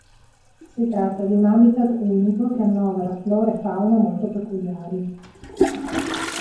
Si tratta di un habitat unico che annovera flora e fauna molto peculiari.